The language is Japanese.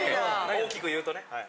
大きく言うとねはい。